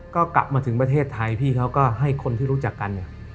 ก็กลับมาถึงประเทศไทยพี่เขาก็ให้คนที่รู้จักกันเนี่ย